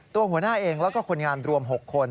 หัวหน้าเองแล้วก็คนงานรวม๖คน